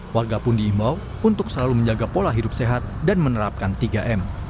warga pun diimbau untuk selalu menjaga pola hidup sehat dan menerapkan tiga m